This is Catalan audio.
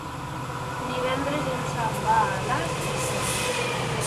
Divendres en Sam va a Alàs i Cerc.